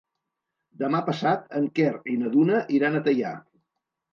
Demà passat en Quer i na Duna iran a Teià.